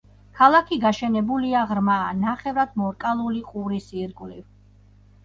ქალაქი გაშენებულია ღრმა, ნახევრად მორკალული ყურის ირგვლივ.